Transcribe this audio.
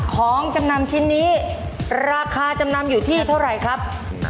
ของจำนำชิ้นนี้ราคาจำนำอยู่ที่เท่าไหร่ครับ